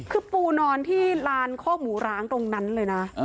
คือปูนอนที่ลานคอกหมูร้างตรงนั้นเลยนะ